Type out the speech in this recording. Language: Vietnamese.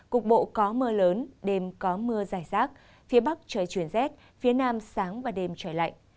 cục bộ có mưa lớn đêm có mưa dài rác phía bắc trời chuyển rét phía nam sáng và đêm trời lạnh